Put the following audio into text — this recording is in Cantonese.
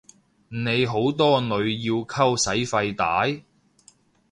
你好多女要溝使費大？